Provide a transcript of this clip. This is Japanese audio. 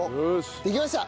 できました！